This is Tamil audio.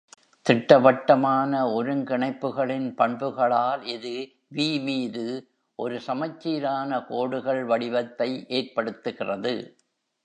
திட்டவட்டமான ஒருங்கிணைப்புகளின் பண்புகளால், இது "V" மீது ஒரு சமச்சீரான கோடுகள் வடிவத்தை ஏற்படுத்துகிறது.